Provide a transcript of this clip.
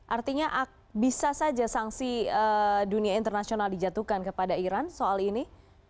artinya bisa saja sanksi dunia internasional dijatuhkan kepada iran soal ini